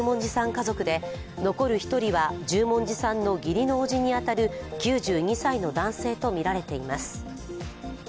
家族で残る１人は十文字さんの義理の伯父に当たる９２歳の男性とみられています。